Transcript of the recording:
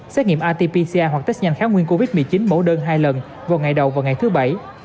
xét nghiệm itpca hoặc test nhanh kháng nguyên covid một mươi chín mẫu đơn hai lần vào ngày đầu và ngày thứ bảy